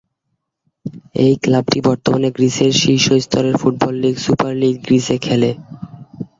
এই ক্লাবটি বর্তমানে গ্রিসের শীর্ষ স্তরের ফুটবল লীগ সুপার লীগ গ্রিসে খেলে।